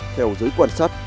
theo giới quan sát